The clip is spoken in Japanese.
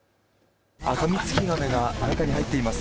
カミツキガメが中に入っています。